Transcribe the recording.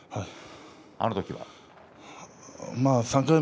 あのときは。